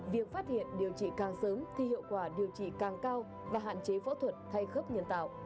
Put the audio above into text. việc phát hiện điều trị càng sớm thì hiệu quả điều trị càng cao và hạn chế phẫu thuật thay khớp nhân tạo